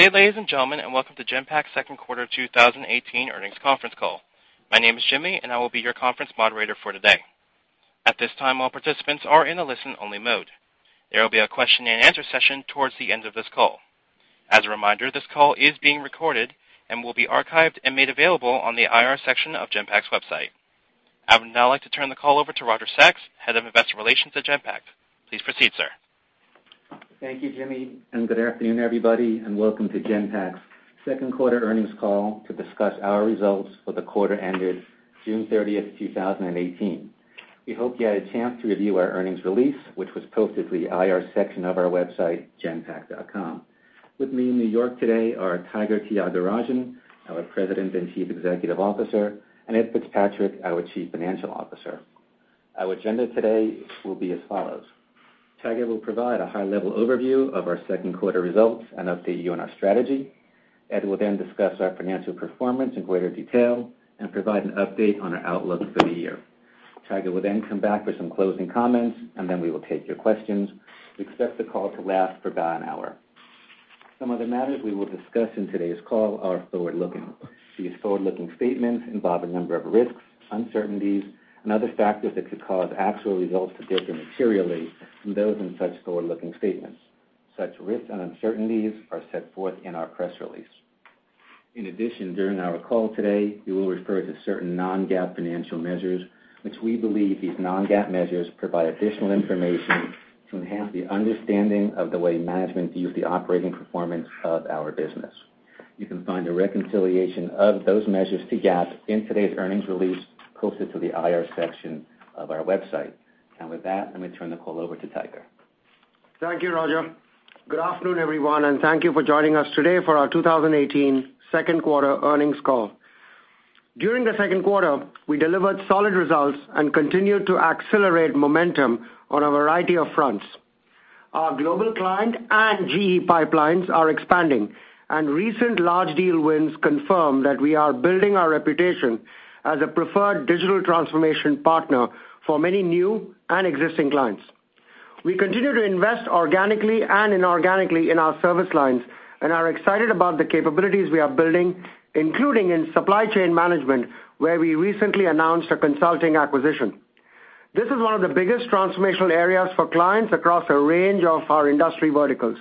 Good day, ladies and gentlemen, welcome to Genpact's second quarter 2018 earnings conference call. My name is Jimmy, I will be your conference moderator for today. At this time, all participants are in a listen-only mode. There will be a question-and-answer session towards the end of this call. As a reminder, this call is being recorded and will be archived and made available on the IR section of genpact's website. I would now like to turn the call over to Roger Sachs, Head of Investor Relations at Genpact. Please proceed, sir. Thank you, Jimmy, good afternoon, everybody, welcome to Genpact's second quarter earnings call to discuss our results for the quarter ended June 30th, 2018. We hope you had a chance to review our earnings release, which was posted to the IR section of our website, genpact.com. With me in New York today are Tiger Tyagarajan, our President and Chief Executive Officer, and Edward Fitzpatrick, our Chief Financial Officer. Our agenda today will be as follows. Tiger will provide a high-level overview of our second quarter results and update you on our strategy. Ed will discuss our financial performance in greater detail and provide an update on our outlook for the year. Tiger will come back for some closing comments, we will take your questions. We expect the call to last for about an hour. Some of the matters we will discuss in today's call are forward-looking. These forward-looking statements involve a number of risks, uncertainties, and other factors that could cause actual results to differ materially from those in such forward-looking statements. Such risks and uncertainties are set forth in our press release. In addition, during our call today, we will refer to certain non-GAAP financial measures, which we believe these non-GAAP measures provide additional information to enhance the understanding of the way management views the operating performance of our business. You can find a reconciliation of those measures to GAAP in today's earnings release posted to the IR section of our website. With that, let me turn the call over to Tiger. Thank you, Roger. Good afternoon, everyone, thank you for joining us today for our 2018 second quarter earnings call. During the second quarter, we delivered solid results and continued to accelerate momentum on a variety of fronts. Our Global Client and GE pipelines are expanding, and recent large deal wins confirm that we are building our reputation as a preferred digital transformation partner for many new and existing clients. We continue to invest organically and inorganically in our service lines and are excited about the capabilities we are building, including in supply chain management, where we recently announced a consulting acquisition. This is one of the biggest transformational areas for clients across a range of our industry verticals.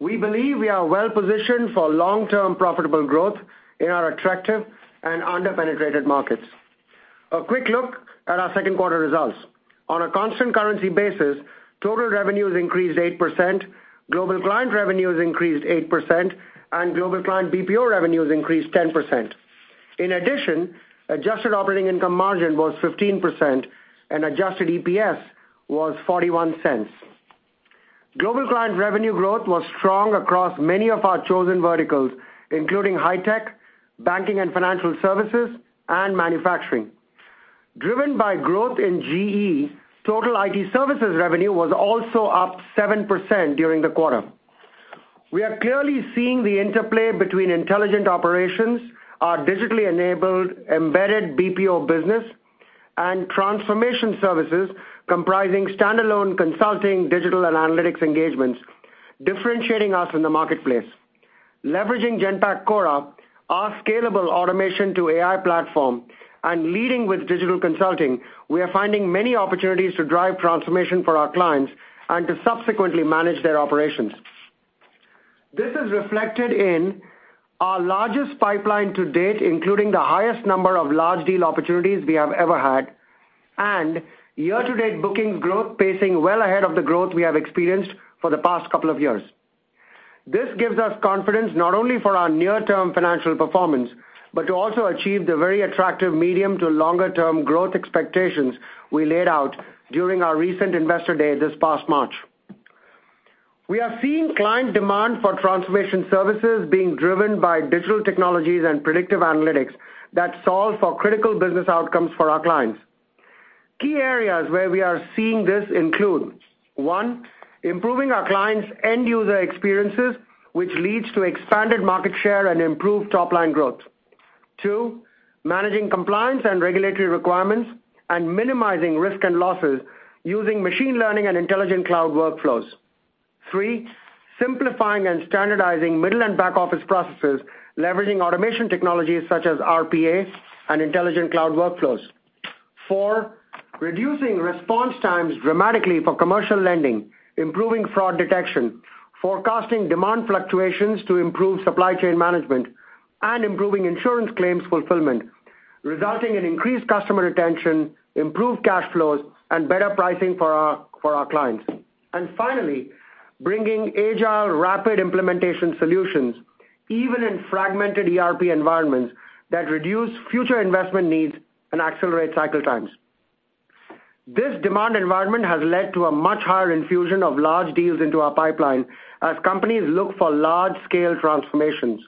We believe we are well-positioned for long-term profitable growth in our attractive and under-penetrated markets. A quick look at our second quarter results. On a constant currency basis, total revenues increased 8%, Global Client revenues increased 8%, and Global Client BPO revenues increased 10%. In addition, adjusted operating income margin was 15%, and adjusted EPS was $0.41. Global Client revenue growth was strong across many of our chosen verticals, including high tech, banking and financial services, and manufacturing. Driven by growth in GE, total IT services revenue was also up 7% during the quarter. We are clearly seeing the interplay between intelligent operations, our digitally enabled embedded BPO business, and transformation services comprising standalone consulting, digital, and analytics engagements, differentiating us in the marketplace. Leveraging Genpact Cora, our scalable automation to AI platform, and leading with digital consulting, we are finding many opportunities to drive transformation for our clients and to subsequently manage their operations. This is reflected in our largest pipeline to date, including the highest number of large deal opportunities we have ever had and year-to-date bookings growth pacing well ahead of the growth we have experienced for the past couple of years. This gives us confidence not only for our near-term financial performance, but to also achieve the very attractive medium to longer term growth expectations we laid out during our recent Investor Day this past March. We are seeing client demand for transformation services being driven by digital technologies and predictive analytics that solve for critical business outcomes for our clients. Key areas where we are seeing this include, one, improving our clients' end-user experiences, which leads to expanded market share and improved top-line growth. Two, managing compliance and regulatory requirements and minimizing risk and losses using machine learning and intelligent cloud workflows. Three, simplifying and standardizing middle and back-office processes, leveraging automation technologies such as RPAs and intelligent cloud workflows. Four, reducing response times dramatically for commercial lending, improving fraud detection, forecasting demand fluctuations to improve supply chain management, and improving insurance claims fulfillment, resulting in increased customer retention, improved cash flows, and better pricing for our clients. Finally, bringing agile, rapid implementation solutions, even in fragmented ERP environments that reduce future investment needs and accelerate cycle times. This demand environment has led to a much higher infusion of large deals into our pipeline as companies look for large-scale transformations.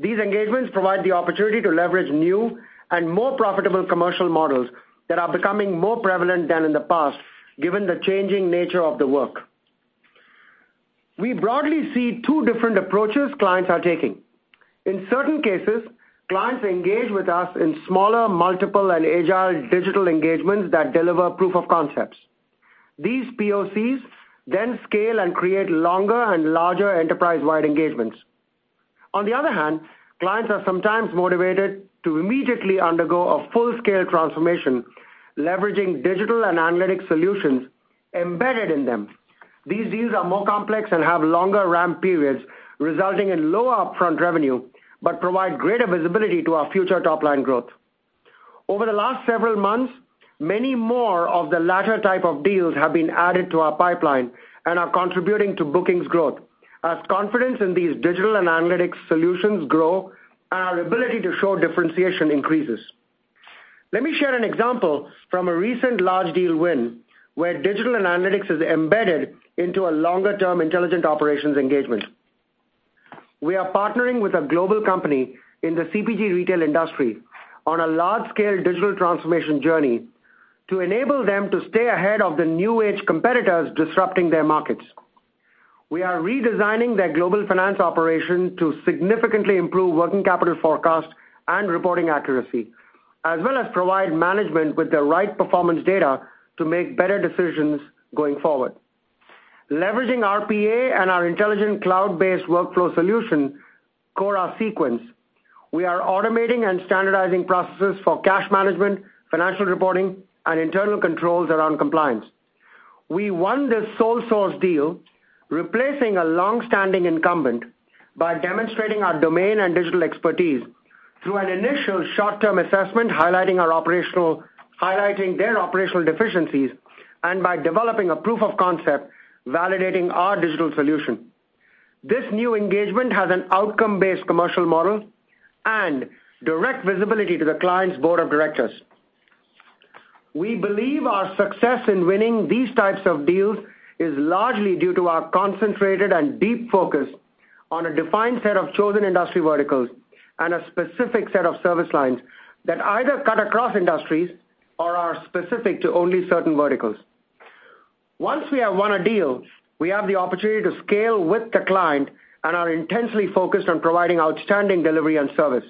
These engagements provide the opportunity to leverage new and more profitable commercial models that are becoming more prevalent than in the past, given the changing nature of the work. We broadly see two different approaches clients are taking. In certain cases, clients engage with us in smaller, multiple, and agile digital engagements that deliver proof of concepts. These POCs then scale and create longer and larger enterprise-wide engagements. On the other hand, clients are sometimes motivated to immediately undergo a full-scale transformation, leveraging digital and analytics solutions embedded in them. These deals are more complex and have longer ramp periods, resulting in lower upfront revenue, but provide greater visibility to our future top-line growth. Over the last several months, many more of the latter type of deals have been added to our pipeline and are contributing to bookings growth as confidence in these digital and analytics solutions grow and our ability to show differentiation increases. Let me share an example from a recent large deal win, where digital and analytics is embedded into a longer-term intelligent operations engagement. We are partnering with a global company in the CPG retail industry on a large-scale digital transformation journey to enable them to stay ahead of the new age competitors disrupting their markets. We are redesigning their global finance operation to significantly improve working capital forecast and reporting accuracy, as well as provide management with the right performance data to make better decisions going forward. Leveraging RPA and our intelligent cloud-based workflow solution, Cora SeQuence, we are automating and standardizing processes for cash management, financial reporting, and internal controls around compliance. We won this sole source deal, replacing a long-standing incumbent by demonstrating our domain and digital expertise through an initial short-term assessment highlighting their operational deficiencies, and by developing a proof of concept validating our digital solution. This new engagement has an outcome-based commercial model and direct visibility to the client's board of directors. We believe our success in winning these types of deals is largely due to our concentrated and deep focus on a defined set of chosen industry verticals, and a specific set of service lines that either cut across industries or are specific to only certain verticals. Once we have won a deal, we have the opportunity to scale with the client and are intensely focused on providing outstanding delivery and service.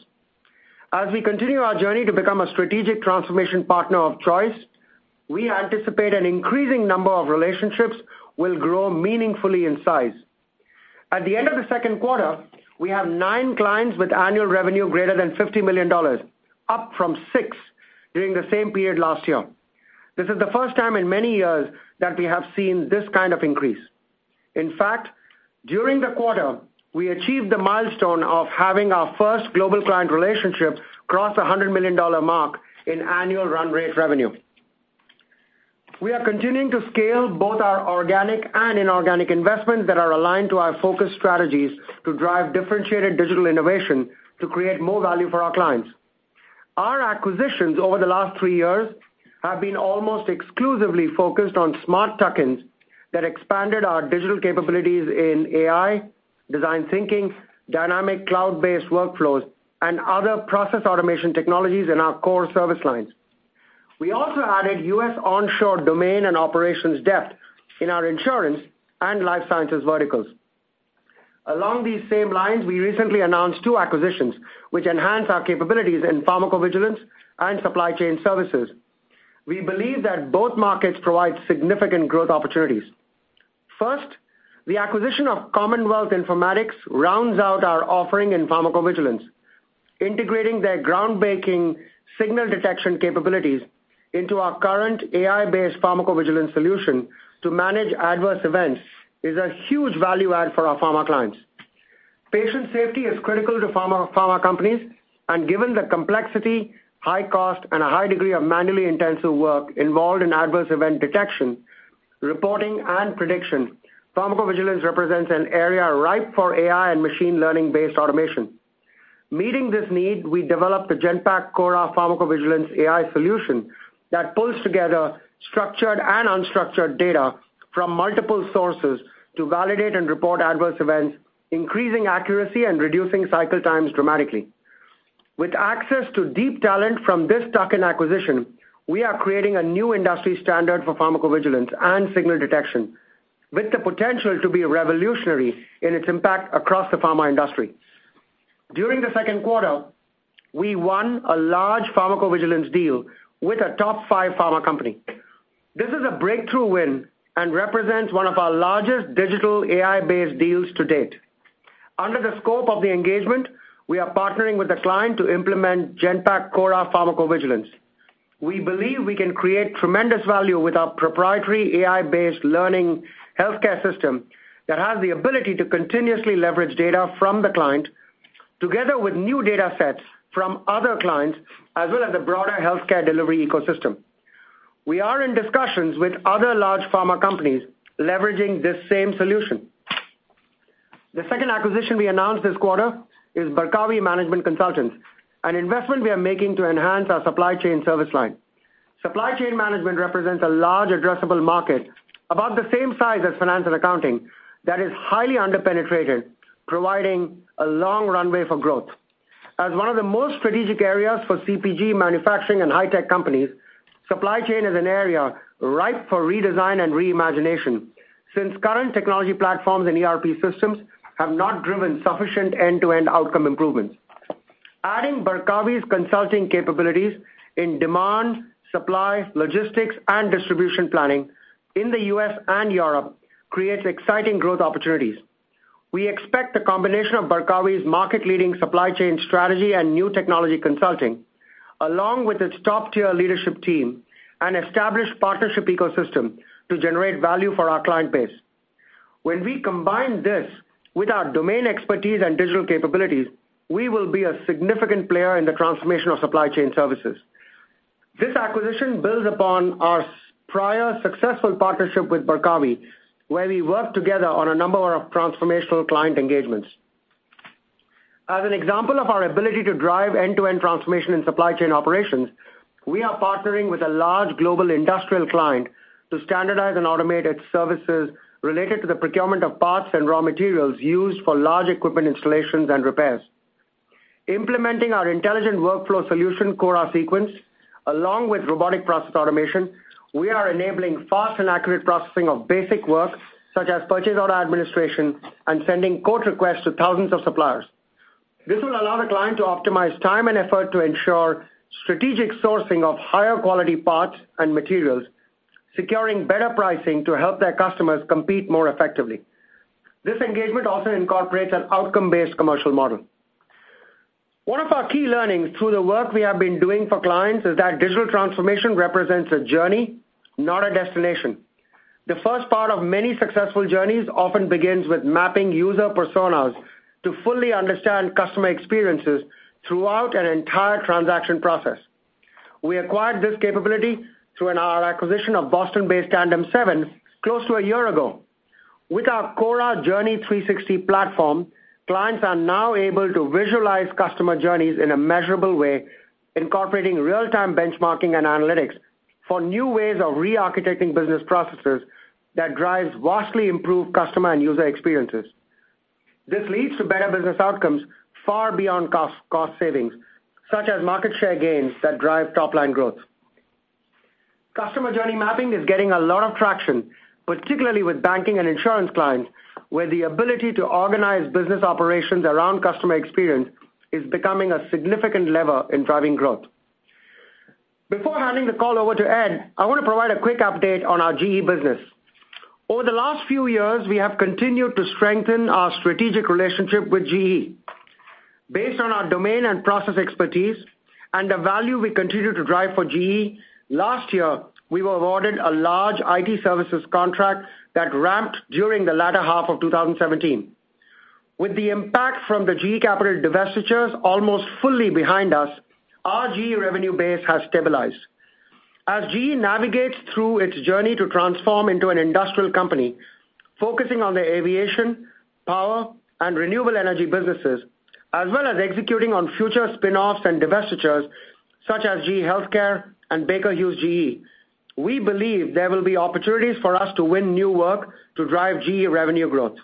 As we continue our journey to become a strategic transformation partner of choice, we anticipate an increasing number of relationships will grow meaningfully in size. At the end of the second quarter, we have nine clients with annual revenue greater than $50 million, up from six during the same period last year. This is the first time in many years that we have seen this kind of increase. In fact, during the quarter, we achieved the milestone of having our first global client relationship cross the $100 million mark in annual run rate revenue. We are continuing to scale both our organic and inorganic investments that are aligned to our focus strategies to drive differentiated digital innovation to create more value for our clients. Our acquisitions over the last three years have been almost exclusively focused on smart tuck-ins that expanded our digital capabilities in AI, design thinking, dynamic cloud-based workflows, and other process automation technologies in our core service lines. We also added U.S. onshore domain and operations depth in our insurance and life sciences verticals. Along these same lines, we recently announced two acquisitions, which enhance our capabilities in pharmacovigilance and supply chain services. We believe that both markets provide significant growth opportunities. First, the acquisition of Commonwealth Informatics rounds out our offering in pharmacovigilance. Integrating their groundbreaking signal detection capabilities into our current AI-based pharmacovigilance solution to manage adverse events is a huge value add for our pharma clients. Patient safety is critical to pharma companies, and given the complexity, high cost, and a high degree of manually intensive work involved in adverse event detection, reporting, and prediction, pharmacovigilance represents an area ripe for AI and machine learning-based automation. Meeting this need, we developed the Genpact Cora Pharmacovigilance AI solution that pulls together structured and unstructured data from multiple sources to validate and report adverse events, increasing accuracy and reducing cycle times dramatically. With access to deep talent from this tuck-in acquisition, we are creating a new industry standard for pharmacovigilance and signal detection, with the potential to be revolutionary in its impact across the pharma industry. During the second quarter, we won a large pharmacovigilance deal with a top five pharma company. This is a breakthrough win and represents one of our largest digital AI-based deals to date. Under the scope of the engagement, we are partnering with the client to implement Genpact Cora Pharmacovigilance. We believe we can create tremendous value with our proprietary AI-based learning healthcare system that has the ability to continuously leverage data from the client, together with new data sets from other clients, as well as the broader healthcare delivery ecosystem. We are in discussions with other large pharma companies leveraging this same solution. The second acquisition we announced this quarter is Barkawi Management Consultants, an investment we are making to enhance our supply chain service line. Supply chain management represents a large addressable market, about the same size as finance and accounting, that is highly under-penetrated, providing a long runway for growth. As one of the most strategic areas for CPG manufacturing and high-tech companies, supply chain is an area ripe for redesign and re-imagination, since current technology platforms and ERP systems have not driven sufficient end-to-end outcome improvements. Adding Barkawi's consulting capabilities in demand, supply, logistics, and distribution planning in the U.S. and Europe creates exciting growth opportunities. We expect the combination of Barkawi's market-leading supply chain strategy and new technology consulting, along with its top-tier leadership team and established partnership ecosystem to generate value for our client base. When we combine this with our domain expertise and digital capabilities, we will be a significant player in the transformation of supply chain services. This acquisition builds upon our prior successful partnership with Barkawi, where we worked together on a number of transformational client engagements. As an example of our ability to drive end-to-end transformation in supply chain operations, we are partnering with a large global industrial client to standardize and automate its services related to the procurement of parts and raw materials used for large equipment installations and repairs. Implementing our intelligent workflow solution, Cora SeQuence, along with robotic process automation, we are enabling fast and accurate processing of basic work, such as purchase order administration and sending quote requests to thousands of suppliers. This will allow the client to optimize time and effort to ensure strategic sourcing of higher-quality parts and materials, securing better pricing to help their customers compete more effectively. This engagement also incorporates an outcome-based commercial model. One of our key learnings through the work we have been doing for clients is that digital transformation represents a journey, not a destination. The first part of many successful journeys often begins with mapping user personas to fully understand customer experiences throughout an entire transaction process. We acquired this capability through our acquisition of Boston-based TandemSeven close to a year ago. With our Cora Journey360 platform, clients are now able to visualize customer journeys in a measurable way, incorporating real-time benchmarking and analytics for new ways of re-architecting business processes that drives vastly improved customer and user experiences. This leads to better business outcomes far beyond cost savings, such as market share gains that drive top-line growth. Customer journey mapping is getting a lot of traction, particularly with banking and insurance clients, where the ability to organize business operations around customer experience is becoming a significant lever in driving growth. Before handing the call over to Ed, I want to provide a quick update on our GE business. Over the last few years, we have continued to strengthen our strategic relationship with GE. Based on our domain and process expertise and the value we continue to drive for GE, last year, we were awarded a large IT services contract that ramped during the latter half of 2017. With the impact from the GE Capital divestitures almost fully behind us, our GE revenue base has stabilized. As GE navigates through its journey to transform into an industrial company, focusing on the aviation, power, and renewable energy businesses, as well as executing on future spinoffs and divestitures such as GE HealthCare and Baker Hughes GE, we believe there will be opportunities for us to win new work to drive GE revenue growth.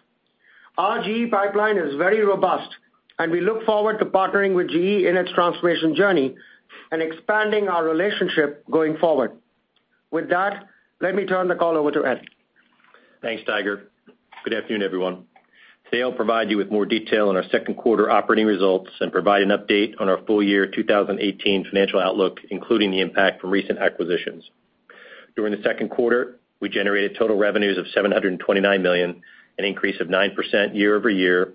Our GE pipeline is very robust, and we look forward to partnering with GE in its transformation journey and expanding our relationship going forward. With that, let me turn the call over to Ed. Thanks, Tiger. Good afternoon, everyone. Today, I'll provide you with more detail on our second quarter operating results and provide an update on our full year 2018 financial outlook, including the impact from recent acquisitions. During the second quarter, we generated total revenues of $729 million, an increase of 9% year-over-year,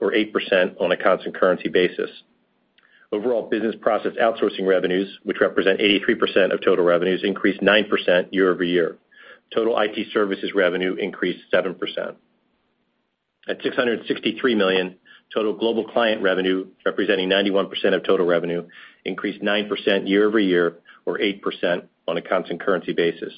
or 8% on a constant currency basis. Overall business process outsourcing revenues, which represent 83% of total revenues, increased 9% year-over-year. Total IT services revenue increased 7%. At $663 million, total global client revenue, representing 91% of total revenue, increased 9% year-over-year, or 8% on a constant currency basis.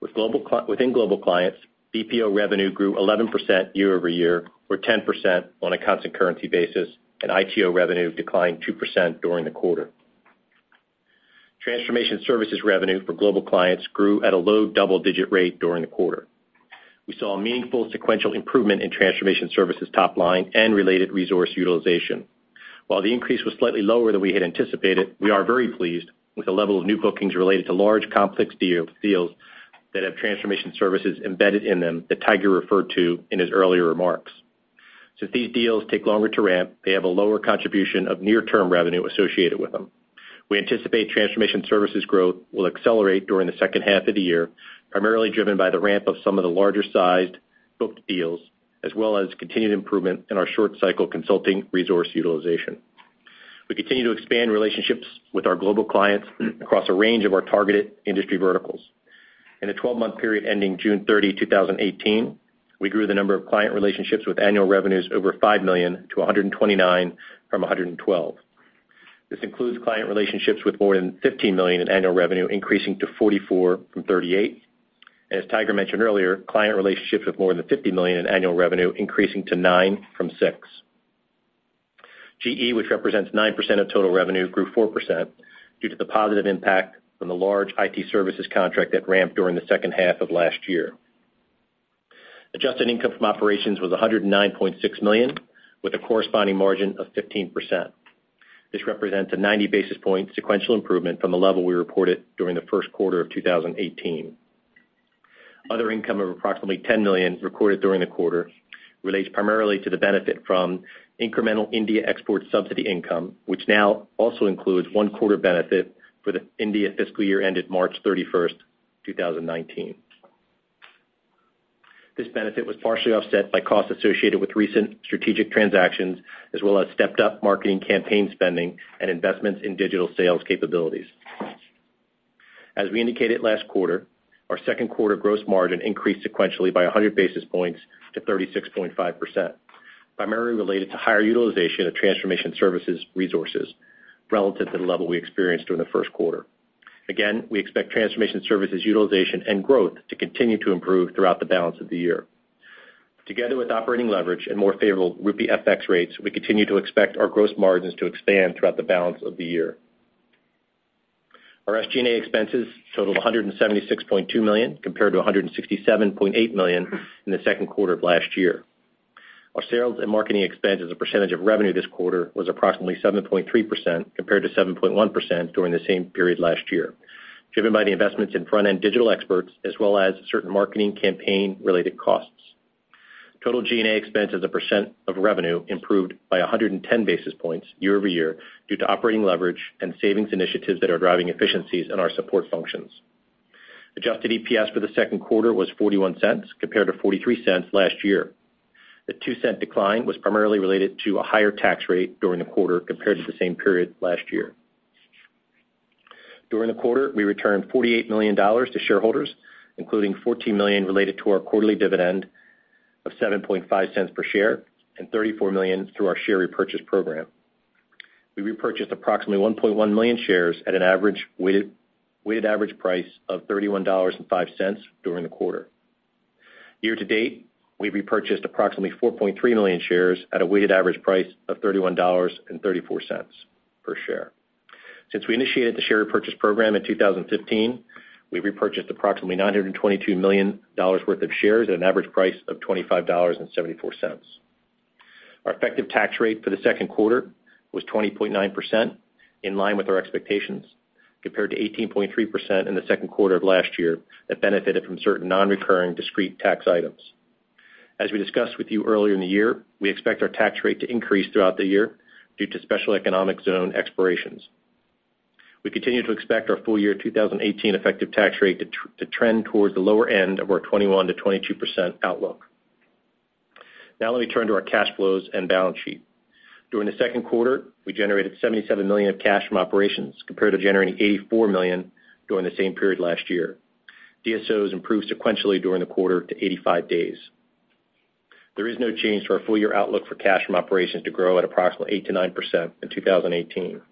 Within global clients, BPO revenue grew 11% year-over-year, or 10% on a constant currency basis, and ITO revenue declined 2% during the quarter. Transformation services revenue for global clients grew at a low double-digit rate during the quarter. We saw a meaningful sequential improvement in transformation services top line and related resource utilization. While the increase was slightly lower than we had anticipated, we are very pleased with the level of new bookings related to large, complex deals that have transformation services embedded in them that Tiger referred to in his earlier remarks. Since these deals take longer to ramp, they have a lower contribution of near-term revenue associated with them. We anticipate transformation services growth will accelerate during the second half of the year, primarily driven by the ramp of some of the larger sized booked deals, as well as continued improvement in our short-cycle consulting resource utilization. We continue to expand relationships with our global clients across a range of our targeted industry verticals. In the 12-month period ending June 30, 2018, we grew the number of client relationships with annual revenues over $5 million to 129 from 112. This includes client relationships with more than $15 million in annual revenue increasing to 44 from 38, and as Tiger mentioned earlier, client relationships with more than $50 million in annual revenue increasing to nine from six. GE, which represents 9% of total revenue, grew 4% due to the positive impact from the large IT services contract that ramped during the second half of last year. Adjusted income from operations was $109.6 million, with a corresponding margin of 15%. This represents a 90-basis point sequential improvement from the level we reported during the first quarter of 2018. Other income of approximately $10 million recorded during the quarter relates primarily to the benefit from incremental India export subsidy income, which now also includes one quarter benefit for the India fiscal year ended March 31st, 2019. This benefit was partially offset by costs associated with recent strategic transactions, as well as stepped-up marketing campaign spending and investments in digital sales capabilities. As we indicated last quarter, our second quarter gross margin increased sequentially by 100 basis points to 36.5%, primarily related to higher utilization of transformation services resources relative to the level we experienced during the first quarter. Again, we expect transformation services utilization and growth to continue to improve throughout the balance of the year. Together with operating leverage and more favorable rupee FX rates, we continue to expect our gross margins to expand throughout the balance of the year. Our SG&A expenses totaled $176.2 million, compared to $167.8 million in the second quarter of last year. Our sales and marketing expense as a percentage of revenue this quarter was approximately 7.3%, compared to 7.1% during the same period last year, driven by the investments in front-end digital experts, as well as certain marketing campaign-related costs. Total G&A expense as a percent of revenue improved by 110 basis points year-over-year due to operating leverage and savings initiatives that are driving efficiencies in our support functions. Adjusted EPS for the second quarter was $0.41, compared to $0.43 last year. The $0.02 decline was primarily related to a higher tax rate during the quarter compared to the same period last year. During the quarter, we returned $48 million to shareholders, including $14 million related to our quarterly dividend of $0.075 per share and $34 million through our share repurchase program. We repurchased approximately 1.1 million shares at a weighted average price of $31.05 during the quarter. Year-to-date, we've repurchased approximately 4.3 million shares at a weighted average price of $31.34 per share. Since we initiated the share repurchase program in 2015, we've repurchased approximately $922 million worth of shares at an average price of $25.74. Our effective tax rate for the second quarter was 20.9%, in line with our expectations, compared to 18.3% in the second quarter of last year that benefited from certain non-recurring discrete tax items. As we discussed with you earlier in the year, we expect our tax rate to increase throughout the year due to special economic zone expirations. We continue to expect our full year 2018 effective tax rate to trend towards the lower end of our 21%-22% outlook. Now let me turn to our cash flows and balance sheet. During the second quarter, we generated $77 million of cash from operations, compared to generating $84 million during the same period last year. DSOs improved sequentially during the quarter to 85 days. There is no change to our full-year outlook for cash from operations to grow at approximately 8%-9% in 2018. Our cash and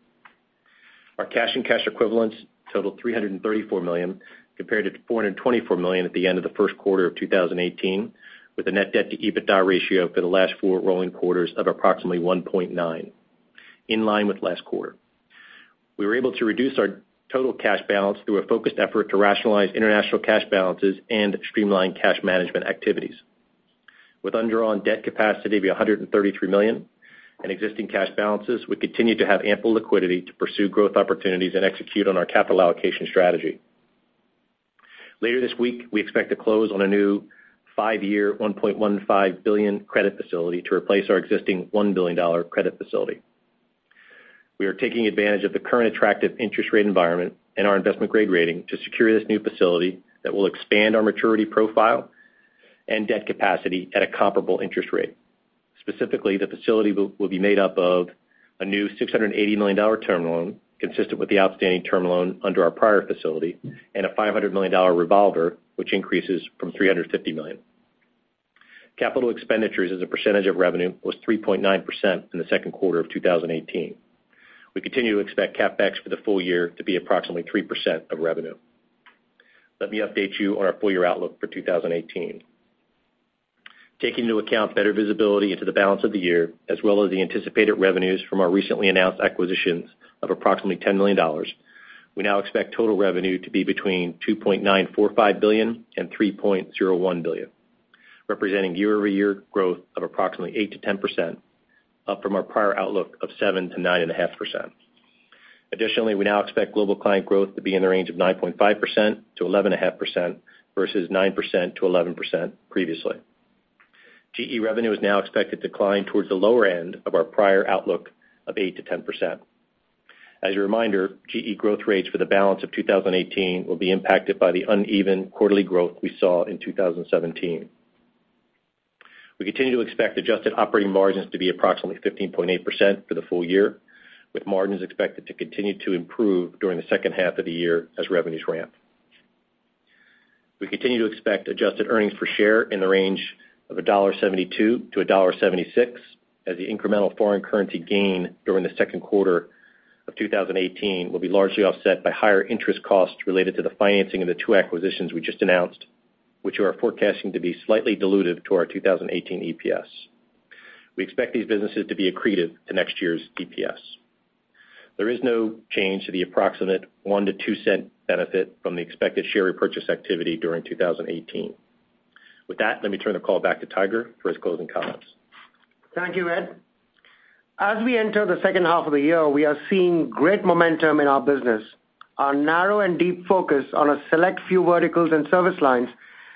cash equivalents totaled $334 million, compared to $424 million at the end of the first quarter of 2018, with a net debt to EBITDA ratio for the last four rolling quarters of approximately 1.9%, in line with last quarter. We were able to reduce our total cash balance through a focused effort to rationalize international cash balances and streamline cash management activities. With undrawn debt capacity of $133 million and existing cash balances, we continue to have ample liquidity to pursue growth opportunities and execute on our capital allocation strategy. Later this week, we expect to close on a new five-year, $1.15 billion credit facility to replace our existing $1 billion credit facility. We are taking advantage of the current attractive interest rate environment and our investment-grade rating to secure this new facility that will expand our maturity profile and debt capacity at a comparable interest rate. Specifically, the facility will be made up of a new $680 million term loan, consistent with the outstanding term loan under our prior facility, and a $500 million revolver, which increases from $350 million. Capital expenditures as a percentage of revenue was 3.9% in the second quarter of 2018. We continue to expect CapEx for the full year to be approximately 3% of revenue. Let me update you on our full-year outlook for 2018. Taking into account better visibility into the balance of the year, as well as the anticipated revenues from our recently announced acquisitions of approximately $10 million, we now expect total revenue to be between $2.945 billion and $3.01 billion, representing year-over-year growth of approximately 8%-10%, up from our prior outlook of 7%-9.5%. Additionally, we now expect global client growth to be in the range of 9.5%-11.5%, versus 9%-11% previously. GE revenue is now expected to decline towards the lower end of our prior outlook of 8%-10%. As a reminder, GE growth rates for the balance of 2018 will be impacted by the uneven quarterly growth we saw in 2017. We continue to expect adjusted operating margins to be approximately 15.8% for the full year, with margins expected to continue to improve during the second half of the year as revenues ramp. We continue to expect adjusted earnings per share in the range of $1.72-$1.76, as the incremental foreign currency gain during the second quarter of 2018 will be largely offset by higher interest costs related to the financing of the two acquisitions we just announced, which we are forecasting to be slightly dilutive to our 2018 EPS. We expect these businesses to be accretive to next year's EPS. There is no change to the approximate $0.01-$0.02 benefit from the expected share repurchase activity during 2018. With that, let me turn the call back to Tiger for his closing comments. Thank you, Ed. As we enter the second half of the year, we are seeing great momentum in our business. Our narrow and deep focus on a select few verticals and service lines,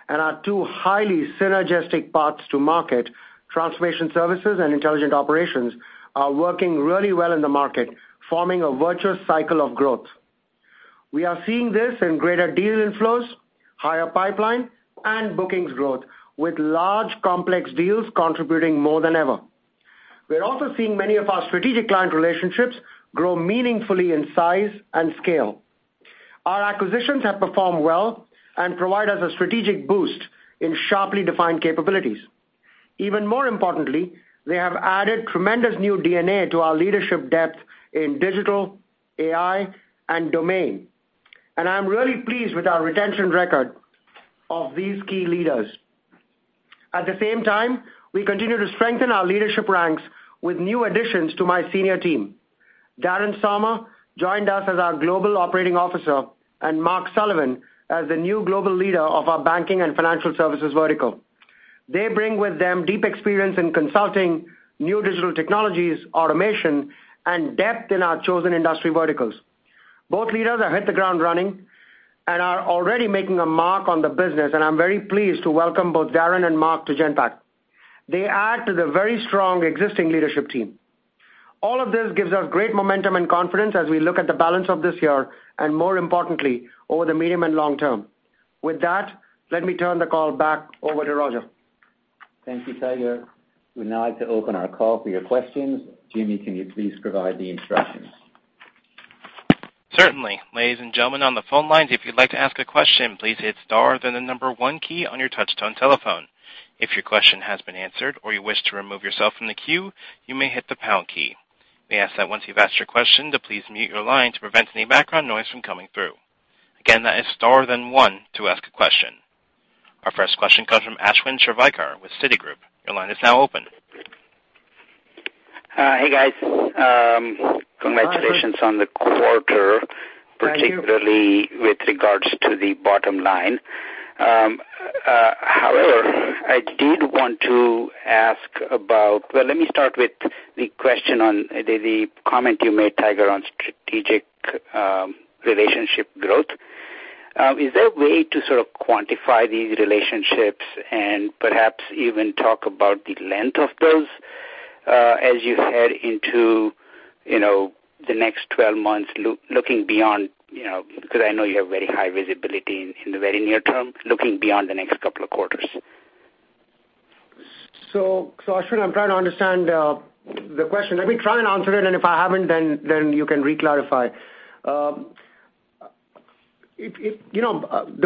and our two highly synergistic paths to market, transformation services and intelligent operations, are working really well in the market, forming a virtuous cycle of growth. We are seeing this in greater deal inflows, higher pipeline, and bookings growth, with large, complex deals contributing more than ever. We're also seeing many of our strategic client relationships grow meaningfully in size and scale. Our acquisitions have performed well and provide us a strategic boost in sharply defined capabilities. Even more importantly, they have added tremendous new DNA to our leadership depth in digital, AI, and domain. I'm really pleased with our retention record of these key leaders. At the same time, we continue to strengthen our leadership ranks with new additions to my senior team. Darren Saumur joined us as our Global Operating Officer, and Mark Sullivan as the new global leader of our banking and financial services vertical. They bring with them deep experience in consulting, new digital technologies, automation, and depth in our chosen industry verticals. Both leaders have hit the ground running and are already making a mark on the business, and I'm very pleased to welcome both Darren and Mark to Genpact. They add to the very strong existing leadership team. All of this gives us great momentum and confidence as we look at the balance of this year, and more importantly, over the medium and long term. With that, let me turn the call back over to Roger. Thank you, Tiger. We'd like to open our call for your questions. Jimmy, can you please provide the instructions? Certainly. Ladies and gentlemen on the phone lines, if you'd like to ask a question, please hit star then the number one key on your touch-tone telephone. If your question has been answered or you wish to remove yourself from the queue, you may hit the pound key. May I ask that once you've asked your question to please mute your line to prevent any background noise from coming through. Again, that is star then one to ask a question. Our first question comes from Ashwin Shirvaikar with Citigroup. Your line is now open. Hey, guys. Congratulations on the quarter- Thank you particularly with regards to the bottom line. However, I did want to ask about Well, let me start with the question on the comment you made, Tiger Tyagarajan, on strategic relationship growth. Is there a way to sort of quantify these relationships and perhaps even talk about the length of those, as you head into the next 12 months, looking beyond, because I know you have very high visibility in the very near term, looking beyond the next couple of quarters? Ashwin, I'm trying to understand the question. Let me try and answer it, and if I haven't, then you can re-clarify. The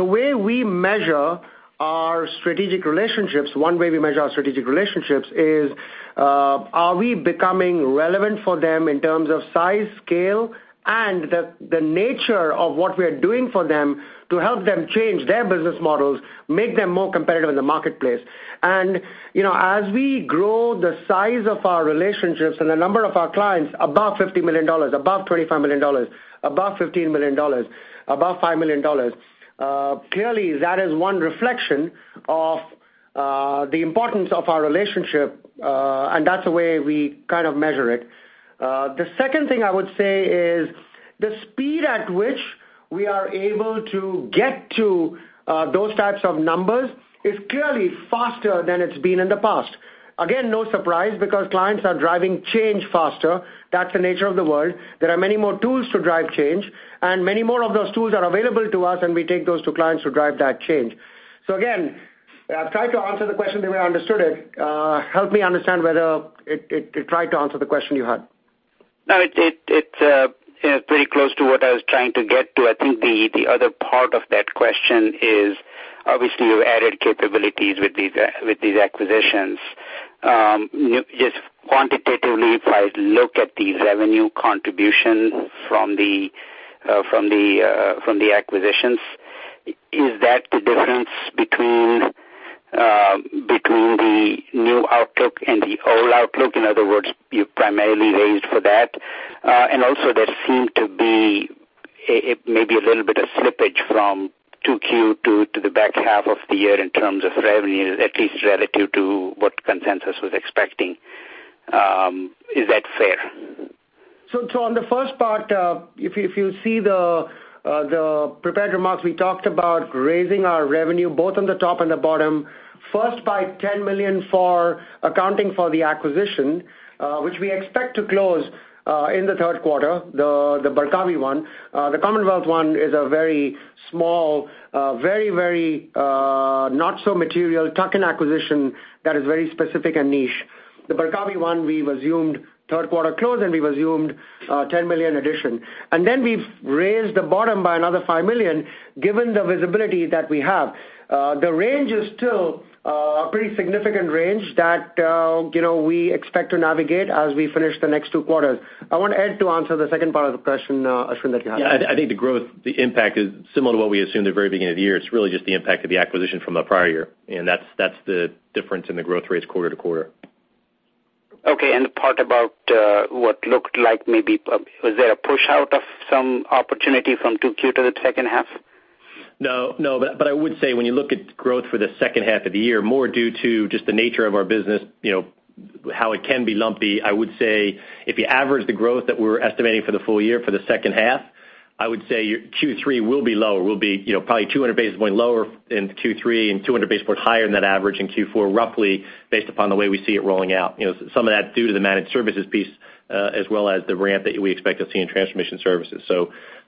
way we measure our strategic relationships, one way we measure our strategic relationships is, are we becoming relevant for them in terms of size, scale, and the nature of what we're doing for them to help them change their business models, make them more competitive in the marketplace. As we grow the size of our relationships and the number of our clients above $50 million, above $25 million, above $15 million, above $5 million, clearly that is one reflection of the importance of our relationship, and that's the way we kind of measure it. The second thing I would say is the speed at which we are able to get to those types of numbers is clearly faster than it's been in the past. Again, no surprise, because clients are driving change faster. That's the nature of the world. There are many more tools to drive change, and many more of those tools are available to us, and we take those to clients who drive that change. Again, I've tried to answer the question the way I understood it. Help me understand whether it tried to answer the question you had. It's pretty close to what I was trying to get to. I think the other part of that question is, obviously, you've added capabilities with these acquisitions. Just quantitatively, if I look at the revenue contribution from the acquisitions, is that the difference between the new outlook and the old outlook? In other words, you primarily raised for that. Also, there seemed to be maybe a little bit of slippage from 2Q to the back half of the year in terms of revenue, at least relative to what consensus was expecting. Is that fair? On the first part, if you see the prepared remarks, we talked about raising our revenue both on the top and the bottom, first by $10 million for accounting for the acquisition, which we expect to close in the third quarter, the Barkawi one. The Commonwealth one is a very small, very, very not so material tuck-in acquisition that is very specific and niche. The Barkawi one, we've assumed third quarter close, and we've assumed a $10 million addition. We've raised the bottom by another $5 million, given the visibility that we have. The range is still a pretty significant range that we expect to navigate as we finish the next two quarters. I want Ed to answer the second part of the question, Ashwin, that you had. Yeah, I think the growth, the impact is similar to what we assumed at the very beginning of the year. It's really just the impact of the acquisition from the prior year, and that's the difference in the growth rates quarter to quarter. Okay, the part about what looked like maybe, was there a push out of some opportunity from 2Q to the second half? No, I would say when you look at growth for the second half of the year, more due to just the nature of our business, how it can be lumpy, I would say if you average the growth that we're estimating for the full year for the second half, I would say Q3 will be lower, will be probably 200 basis points lower in Q3 and 200 basis points higher than that average in Q4, roughly, based upon the way we see it rolling out. Some of that's due to the managed services piece, as well as the ramp that we expect to see in transformation services.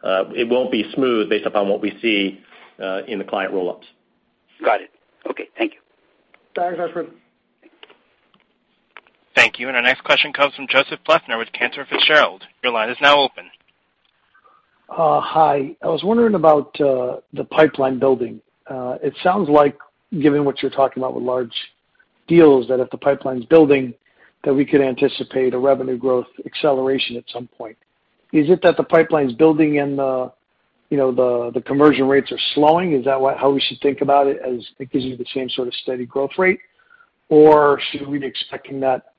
It won't be smooth based upon what we see in the client roll-ups. Got it. Okay. Thank you. Thanks, Ashwin. Thank you. Our next question comes from Joseph Foresi with Cantor Fitzgerald. Your line is now open. Hi. I was wondering about the pipeline building. It sounds like, given what you're talking about with large deals, that if the pipeline's building, that we could anticipate a revenue growth acceleration at some point. Is it that the pipeline's building and the conversion rates are slowing? Is that how we should think about it, as it gives you the same sort of steady growth rate? Or should we be expecting that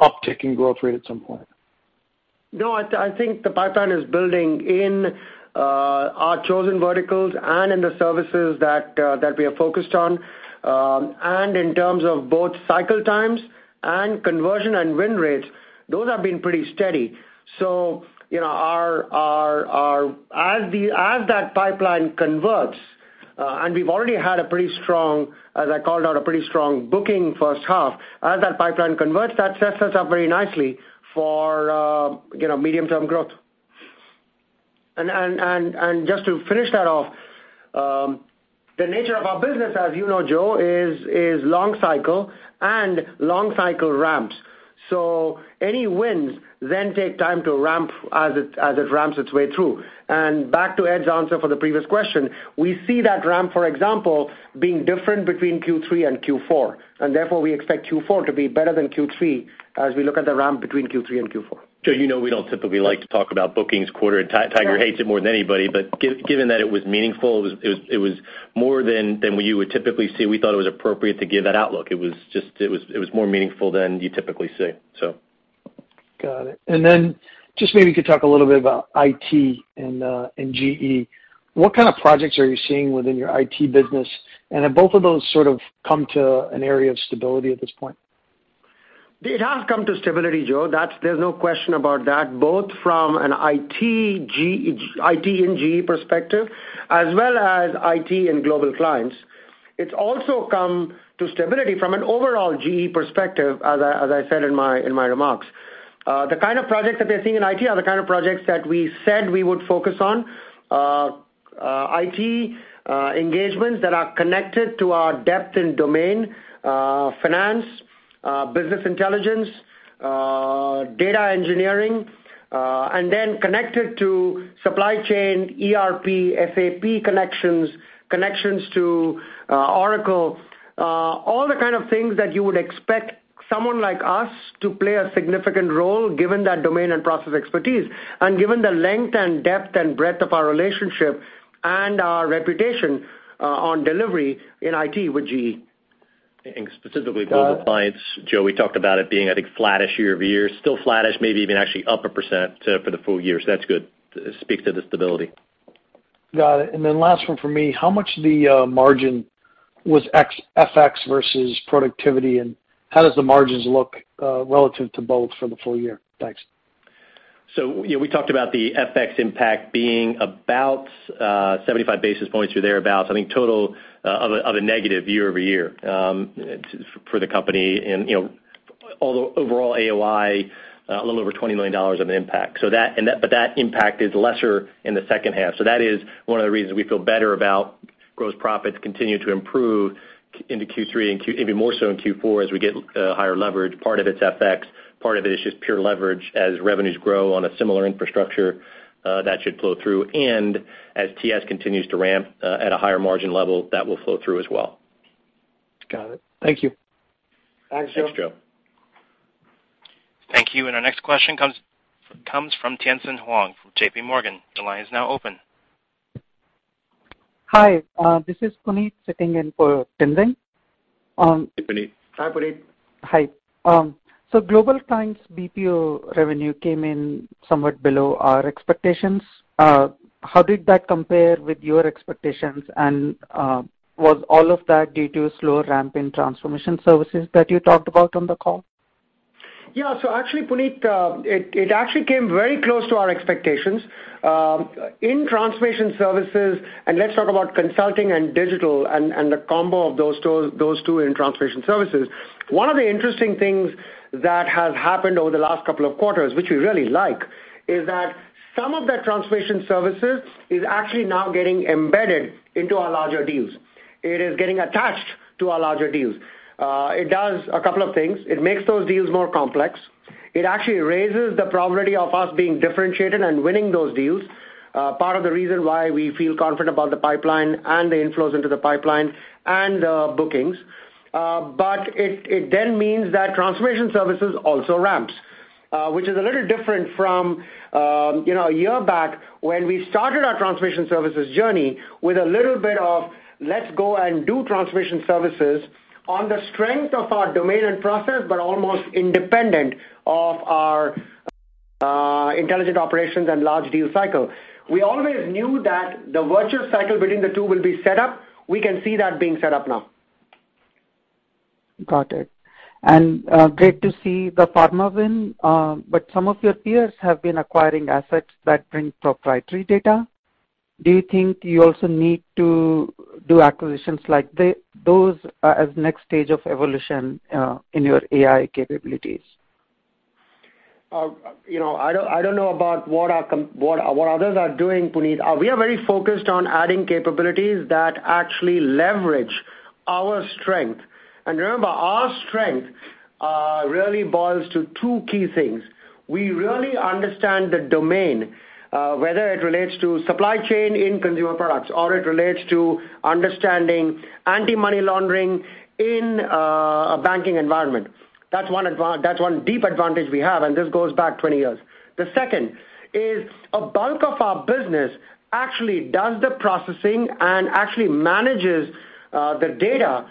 uptick in growth rate at some point? No, I think the pipeline is building in our chosen verticals and in the services that we are focused on. In terms of both cycle times and conversion and win rates, those have been pretty steady. As that pipeline converts, and we've already had, as I called out, a pretty strong booking first half. As that pipeline converts, that sets us up very nicely for medium-term growth. Just to finish that off, the nature of our business, as you know, Joe, is long cycle and long cycle ramps. Any wins then take time to ramp as it ramps its way through. Back to Ed's answer for the previous question, we see that ramp, for example, being different between Q3 and Q4, and therefore, we expect Q4 to be better than Q3 as we look at the ramp between Q3 and Q4. Joe, you know we don't typically like to talk about bookings quarter. Tiger hates it more than anybody. Given that it was meaningful, it was more than what you would typically see, we thought it was appropriate to give that outlook. It was more meaningful than you typically see. Got it. Then just maybe you could talk a little bit about IT and GE. What kind of projects are you seeing within your IT business? Have both of those sort of come to an area of stability at this point? It has come to stability, Joe. There's no question about that, both from an IT and GE perspective, as well as IT and Global Clients. It's also come to stability from an overall GE perspective, as I said in my remarks. The kind of projects that we are seeing in IT are the kind of projects that we said we would focus on. IT engagements that are connected to our depth in domain, finance, business intelligence, data engineering, then connected to supply chain, ERP, SAP connections to Oracle. All the kind of things that you would expect someone like us to play a significant role, given that domain and process expertise, and given the length and depth and breadth of our relationship and our reputation on delivery in IT with GE. Specifically Global Clients, Joe, we talked about it being, I think, flattish year-over-year. Still flattish, maybe even actually up 1% for the full year. That's good. Speaks to the stability. Got it. Last one from me, how much of the margin was FX versus productivity, and how does the margins look relative to both for the full year? Thanks. We talked about the FX impact being about 75 basis points or thereabout. I think total of a negative year-over-year for the company. Although overall AOI, a little over $20 million of impact. That impact is lesser in the second half. That is one of the reasons we feel better about gross profits continuing to improve into Q3 and even more so in Q4 as we get higher leverage. Part of it's FX, part of it is just pure leverage as revenues grow on a similar infrastructure, that should flow through. As TS continues to ramp at a higher margin level, that will flow through as well. Got it. Thank you. Thanks, Joe. Thanks, Joe. Thank you. Our next question comes from Tien-Tsin Huang from J.P. Morgan. Your line is now open. Hi. This is Puneet sitting in for Tien-Tsin. Hey, Puneet. Hi, Puneet. Hi. Global Clients BPO revenue came in somewhat below our expectations. How did that compare with your expectations, and was all of that due to slower ramp in transformation services that you talked about on the call? Yeah. Actually, Puneet, it actually came very close to our expectations. In transformation services, and let's talk about consulting and digital and the combo of those two in transformation services, one of the interesting things that has happened over the last couple of quarters, which we really like, is that some of that transformation services is actually now getting embedded into our larger deals. It is getting attached to our larger deals. It does a couple of things. It makes those deals more complex. It actually raises the probability of us being differentiated and winning those deals. Part of the reason why we feel confident about the pipeline and the inflows into the pipeline and bookings. It then means that transformation services also ramps, which is a little different from a year back when we started our transformation services journey with a little bit of, "Let's go and do transformation services on the strength of our domain and process, but almost independent of our Intelligent operations and large deal cycle. We always knew that the virtuuus cycle between the two will be set up. We can see that being set up now. Got it. Great to see the pharma win. Some of your peers have been acquiring assets that bring proprietary data. Do you think you also need to do acquisitions like those as next stage of evolution in your AI capabilities? I don't know about what others are doing, Puneet. We are very focused on adding capabilities that actually leverage our strength. Remember, our strength really boils to two key things. We really understand the domain, whether it relates to supply chain in consumer products, or it relates to understanding anti-money laundering in a banking environment. That's one deep advantage we have, and this goes back 20 years. The second is a bulk of our business actually does the processing and actually manages the data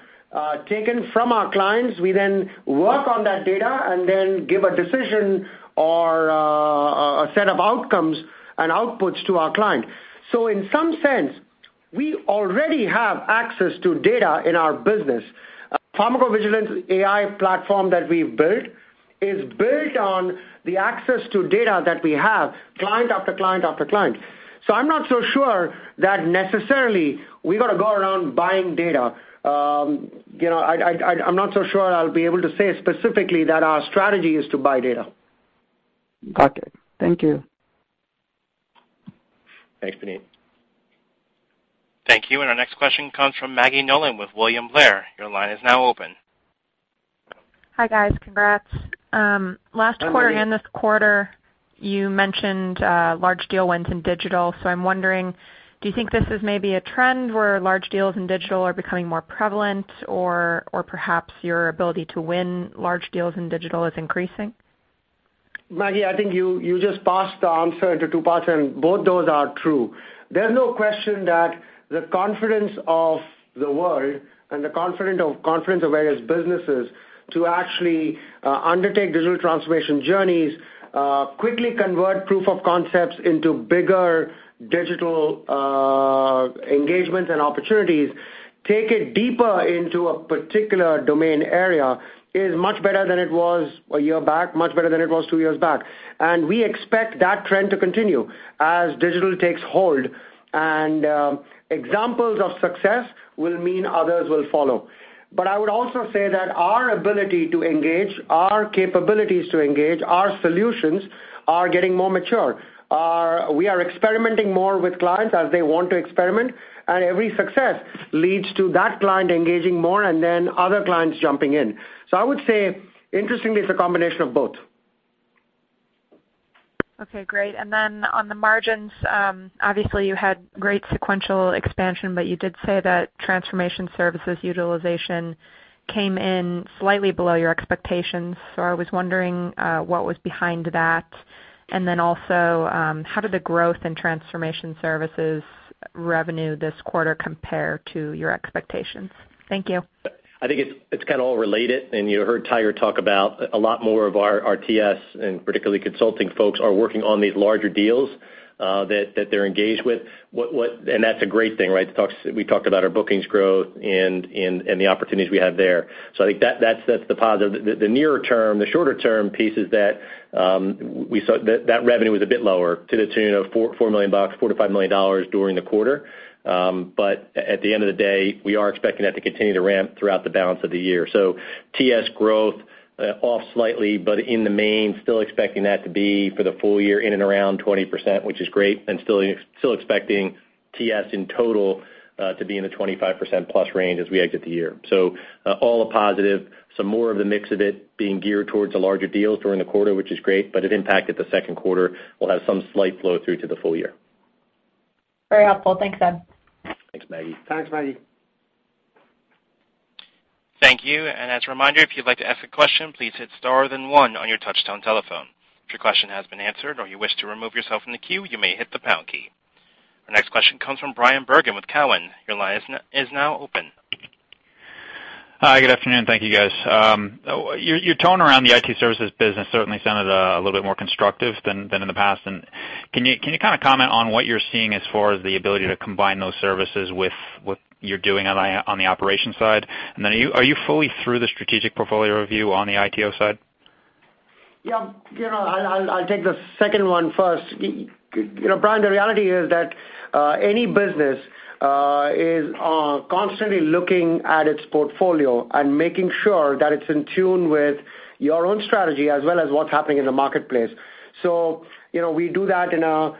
taken from our clients. We then work on that data and then give a decision or a set of outcomes and outputs to our client. In some sense, we already have access to data in our business. Pharmacovigilance AI platform that we've built is built on the access to data that we have, client after client after client. I'm not so sure that necessarily we've got to go around buying data. I'm not so sure I'll be able to say specifically that our strategy is to buy data. Got it. Thank you. Thanks, Puneet. Thank you. Our next question comes from Maggie Nolan with William Blair. Your line is now open. Hi, guys. Congrats. Hi, Maggie. Last quarter and this quarter, you mentioned large deal wins in digital. I'm wondering, do you think this is maybe a trend where large deals in digital are becoming more prevalent or perhaps your ability to win large deals in digital is increasing? Maggie, I think you just parsed the answer into two parts, and both those are true. There's no question that the confidence of the world and the confidence of various businesses to actually undertake digital transformation journeys, quickly convert proof of concepts into bigger digital engagements and opportunities, take it deeper into a particular domain area, is much better than it was a year back, much better than it was two years back. We expect that trend to continue as digital takes hold. Examples of success will mean others will follow. I would also say that our ability to engage, our capabilities to engage, our solutions, are getting more mature. We are experimenting more with clients as they want to experiment, and every success leads to that client engaging more and then other clients jumping in. I would say, interestingly, it's a combination of both. Okay, great. On the margins, obviously you had great sequential expansion, you did say that transformation services utilization came in slightly below your expectations. I was wondering what was behind that. Also, how did the growth in transformation services revenue this quarter compare to your expectations? Thank you. I think it's kind of all related, you heard Tiger talk about a lot more of our TS, and particularly consulting folks, are working on these larger deals that they're engaged with. That's a great thing, right? We talked about our bookings growth and the opportunities we have there. I think that's the positive. The nearer term, the shorter term piece is that we saw that revenue was a bit lower to the tune of $4 million, $4 million-$5 million during the quarter. At the end of the day, we are expecting that to continue to ramp throughout the balance of the year. TS growth off slightly, but in the main, still expecting that to be for the full year in and around 20%, which is great, and still expecting TS in total to be in the 25% plus range as we exit the year. All a positive. Some more of the mix of it being geared towards the larger deals during the quarter, which is great, but it impacted the second quarter. We'll have some slight flow through to the full year. Very helpful. Thanks, Ed. Thanks, Maggie. Thanks, Maggie. Thank you. As a reminder, if you'd like to ask a question, please hit star then one on your touchtone telephone. If your question has been answered or you wish to remove yourself from the queue, you may hit the pound key. Our next question comes from Bryan Bergin with Cowen. Your line is now open. Hi, good afternoon. Thank you, guys. Your tone around the IT services business certainly sounded a little bit more constructive than in the past. Can you comment on what you're seeing as far as the ability to combine those services with what you're doing on the operations side? Are you fully through the strategic portfolio review on the ITO side? I'll take the second one first. Bryan, the reality is that any business is constantly looking at its portfolio and making sure that it's in tune with your own strategy as well as what's happening in the marketplace. We do that in a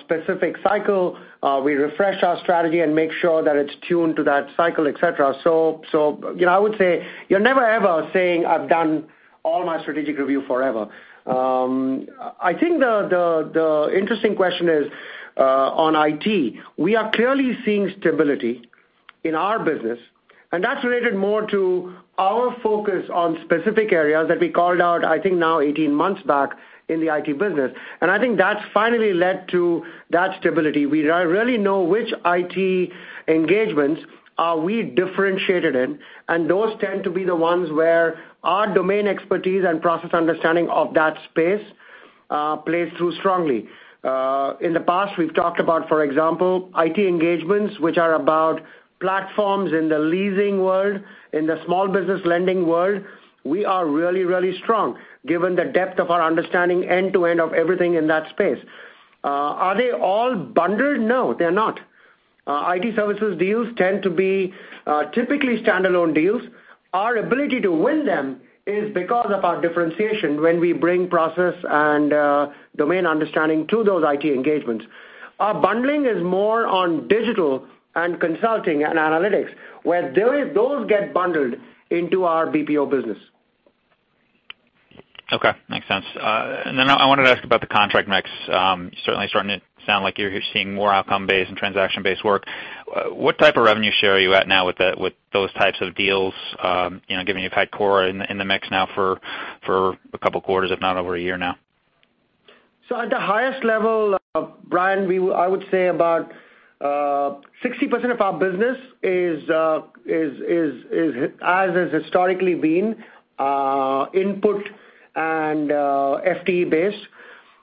specific cycle. We refresh our strategy and make sure that it's tuned to that cycle, et cetera. I would say you're never, ever saying, "I've done all my strategic review forever." I think the interesting question is on IT. We are clearly seeing stability in our business, and that's related more to our focus on specific areas that we called out, I think now 18 months back, in the IT business. I think that's finally led to that stability. We really know which IT engagements are we differentiated in, and those tend to be the ones where our domain expertise and process understanding of that space plays through strongly. In the past, we've talked about, for example, IT engagements, which are about platforms in the leasing world, in the small business lending world. We are really, really strong given the depth of our understanding end-to-end of everything in that space. Are they all bundled? No, they're not. IT services deals tend to be typically standalone deals. Our ability to win them is because of our differentiation when we bring process and domain understanding to those IT engagements. Our bundling is more on digital and consulting and analytics, where those get bundled into our BPO business. Okay, makes sense. I wanted to ask about the contract mix. Certainly starting to sound like you're seeing more outcome-based and transaction-based work. What type of revenue share are you at now with those types of deals, given you've had Cora in the mix now for a couple quarters, if not over one year now? At the highest level, Bryan, I would say about 60% of our business has historically been input and FTE based,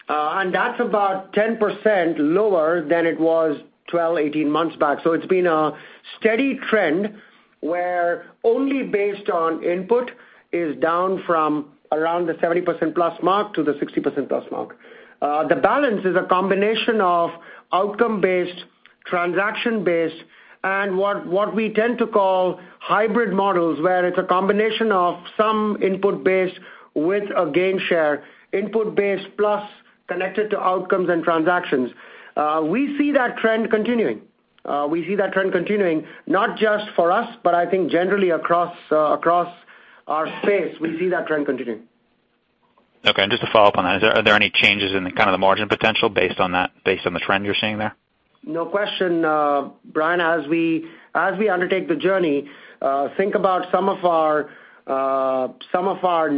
and that's about 10% lower than it was 12, 18 months back. It's been a steady trend where only based on input is down from around the 70% plus mark to the 60% plus mark. The balance is a combination of outcome-based, transaction-based, and what we tend to call hybrid models, where it's a combination of some input-based with a gain share, input-based plus connected to outcomes and transactions. We see that trend continuing. We see that trend continuing not just for us, but I think generally across our space, we see that trend continuing. Okay, just to follow up on that, are there any changes in the margin potential based on the trend you're seeing there? No question, Bryan. As we undertake the journey, think about some of our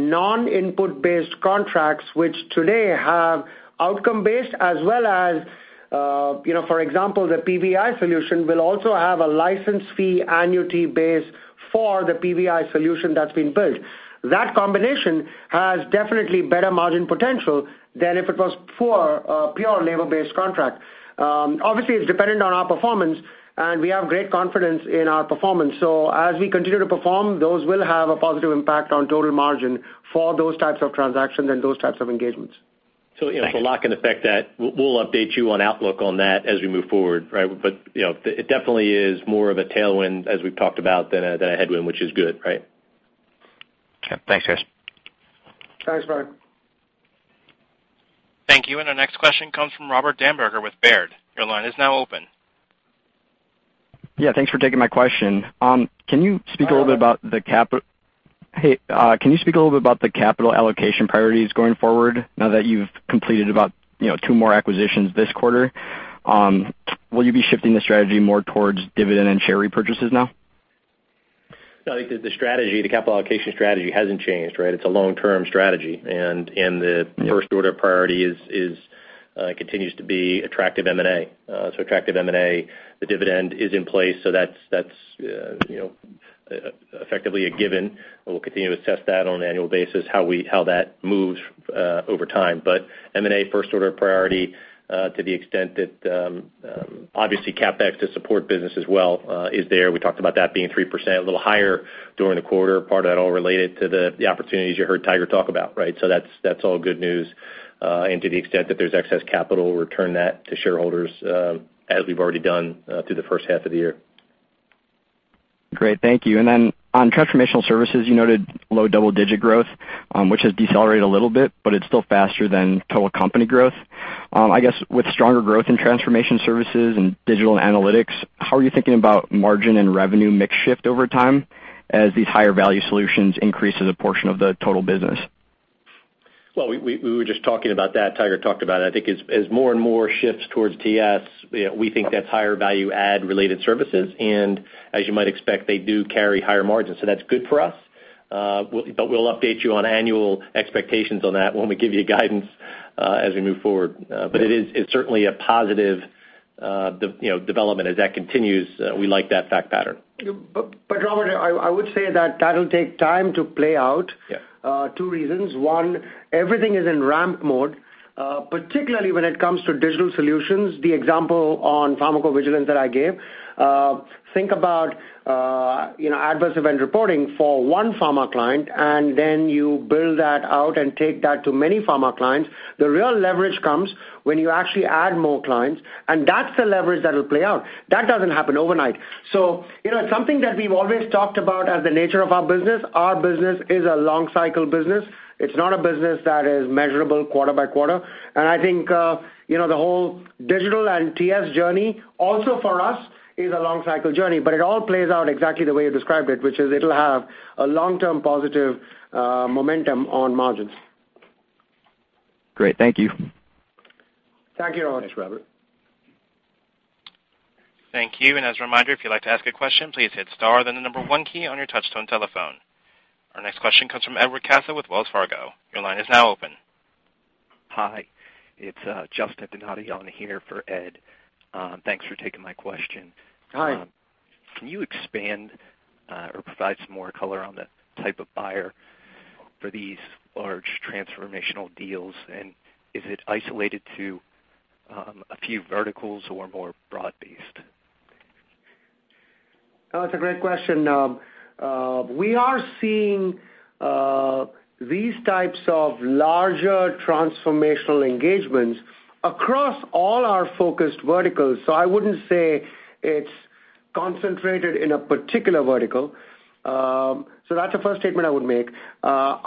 non-input based contracts, which today have outcome-based as well as, for example, the PVAI solution will also have a license fee annuity base for the PVAI solution that's been built. That combination has definitely better margin potential than if it was for a pure labor-based contract. Obviously, it's dependent on our performance, and we have great confidence in our performance. As we continue to perform, those will have a positive impact on total margin for those types of transactions and those types of engagements. Lock and effect that, we'll update you on outlook on that as we move forward, right? It definitely is more of a tailwind as we've talked about than a headwind, which is good, right? Okay, thanks, guys. Thanks, Bryan. Thank you. Our next question comes from David Koning with Baird. Your line is now open. Yeah, thanks for taking my question. Can you speak a little bit about the capital allocation priorities going forward now that you've completed about two more acquisitions this quarter? Will you be shifting the strategy more towards dividend and share repurchases now? No, I think that the capital allocation strategy hasn't changed, right? It's a long-term strategy, the first order of priority continues to be attractive M&A. Attractive M&A, the dividend is in place, that's effectively a given. We'll continue to assess that on an annual basis, how that moves over time. M&A, first order of priority to the extent that, obviously, CapEx to support business as well is there. We talked about that being 3%, a little higher during the quarter, part of that all related to the opportunities you heard Tiger talk about, right? That's all good news. To the extent that there's excess capital, return that to shareholders, as we've already done through the first half of the year. Great. Thank you. On transformational services, you noted low double-digit growth, which has decelerated a little bit, but it's still faster than total company growth. I guess with stronger growth in transformation services and digital analytics, how are you thinking about margin and revenue mix shift over time as these higher value solutions increase as a portion of the total business? Well, we were just talking about that. Tiger talked about it. I think as more and more shifts towards TS, we think that's higher value add-related services, and as you might expect, they do carry higher margins. That's good for us. We'll update you on annual expectations on that when we give you guidance as we move forward. It's certainly a positive development as that continues. We like that fact pattern. Robert, I would say that that'll take time to play out. Yeah. Two reasons. One, everything is in ramp mode, particularly when it comes to digital solutions. The example on pharmacovigilance that I gave, think about adverse event reporting for one pharma client, and then you build that out and take that to many pharma clients. The real leverage comes when you actually add more clients, and that's the leverage that will play out. That doesn't happen overnight. It's something that we've always talked about as the nature of our business. Our business is a long cycle business. It's not a business that is measurable quarter by quarter. I think, the whole digital and TS journey also for us is a long cycle journey, but it all plays out exactly the way you described it, which is it'll have a long-term positive momentum on margins. Great. Thank you. Thank you, Robert. Thanks, Robert. Thank you. As a reminder, if you'd like to ask a question, please hit star, then the number one key on your touch-tone telephone. Our next question comes from Edward Caso with Wells Fargo. Your line is now open. Hi, it's Justin Donatell here for Ed. Thanks for taking my question. Hi. Can you expand or provide some more color on the type of buyer for these large transformational deals, and is it isolated to a few verticals or more broad-based? That's a great question. We are seeing these types of larger transformational engagements across all our focused verticals, so I wouldn't say it's concentrated in a particular vertical. That's the first statement I would make. It's also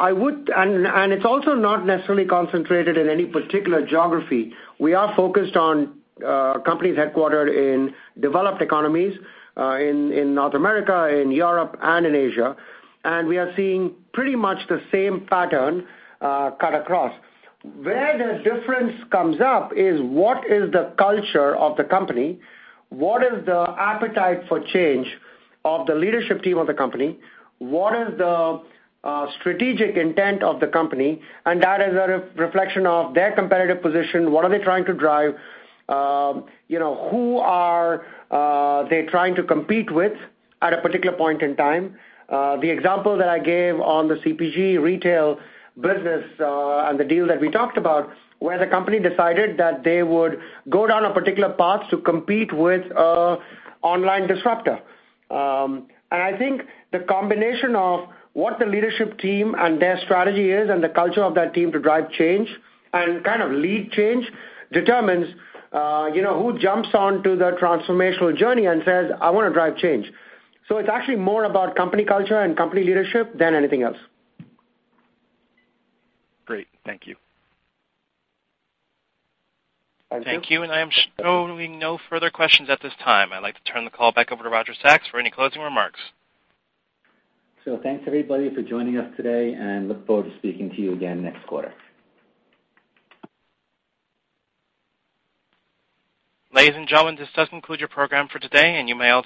not necessarily concentrated in any particular geography. We are focused on companies headquartered in developed economies, in North America, in Europe, and in Asia. We are seeing pretty much the same pattern cut across. Where the difference comes up is what is the culture of the company? What is the appetite for change of the leadership team of the company? What is the strategic intent of the company? That is a reflection of their competitive position. What are they trying to drive? Who are they trying to compete with at a particular point in time? The example that I gave on the CPG retail business, and the deal that we talked about, where the company decided that they would go down a particular path to compete with an online disruptor. I think the combination of what the leadership team and their strategy is and the culture of that team to drive change and kind of lead change determines who jumps onto the transformational journey and says, "I want to drive change." It's actually more about company culture and company leadership than anything else. Great. Thank you. Thank you. Thank you. I am showing no further questions at this time. I'd like to turn the call back over to Roger Sachs for any closing remarks. Thanks, everybody, for joining us today, and look forward to speaking to you again next quarter. Ladies and gentlemen, this does conclude your program for today, and you may all disconnect.